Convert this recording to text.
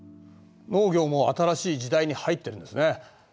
農業も新しい時代に入ってるんですね。